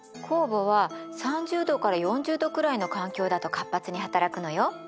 酵母は３０度から４０度くらいの環境だと活発に働くのよ。